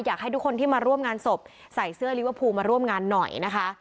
อยากให้ทุกคนที่มาร่วมงานศพใส่เสื้อลิเวอร์พูลมาร่วมงานหน่อยนะคะ